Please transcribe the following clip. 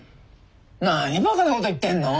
何バカなこと言ってんの？